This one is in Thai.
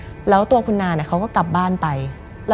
มันกลายเป็นรูปของคนที่กำลังขโมยคิ้วแล้วก็ร้องไห้อยู่